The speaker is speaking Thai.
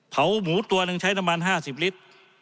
เผาหมูตัวนึงใช้น้ำบาน๕๐ลิตร